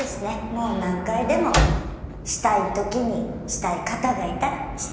もう何回でもしたい時にしたい方がいたらして頂いて。